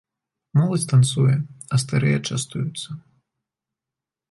Моладзь танцуе, а старыя частуюцца.